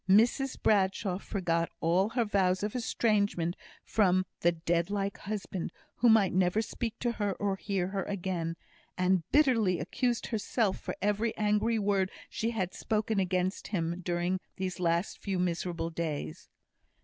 Mrs Bradshaw forgot all her vows of estrangement from the dead like husband, who might never speak to her, or hear her again, and bitterly accused herself for every angry word she had spoken against him during these last few miserable days.